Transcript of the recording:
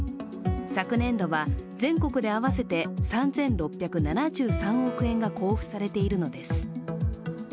昨年度は全国で合わせて３６７３億円が交付されているのです。